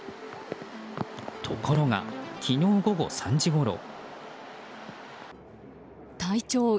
ところが、昨日午後３時ごろ。